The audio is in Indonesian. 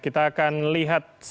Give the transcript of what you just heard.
kita akan lihat sepertinya